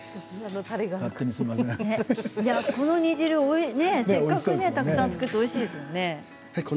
この煮汁せっかくたくさん作っておいしいですものね。